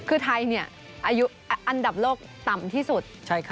คือไทยอันดับโลกต่ำที่สุด๑๓๐